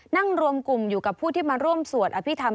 นั่งรวมกลุ่มอยู่กับผู้ที่มาร่วมสวดอภิษฐรร